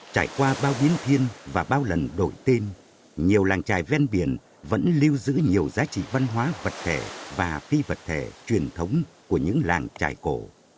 trải qua bao biến thiên và bao lần đổi tên nhiều làng trài ven biển vẫn lưu giữ nhiều giá trị văn hóa vật thể và phi vật thể truyền thống của những làng trài cổ